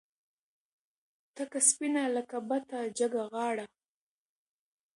تکه سپینه لکه بته جګه غاړه